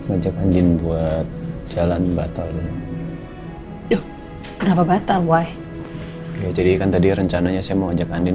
ajak anjing buat jalan batal ya kenapa batal why jadi kan tadi rencananya saya mau ajak andin